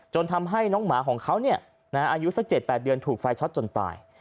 ทำให้น้องหมาของเขาอายุสัก๗๘เดือนถูกไฟช็อตจนตาย